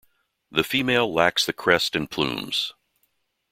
The female lacks the crest and plumes.